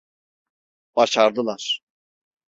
Başardılar…